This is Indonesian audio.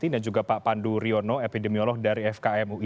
dan juga pak pandu riono epidemiolog dari fkm ui